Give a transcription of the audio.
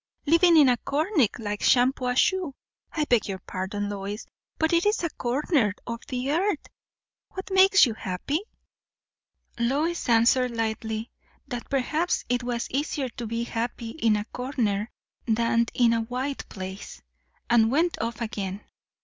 living in a corner like Shampuashuh. I beg your pardon, Lois, but it is a corner of the earth. What makes you happy?" Lois answered lightly, that perhaps it was easier to be happy in a corner than in a wide place; and went off again.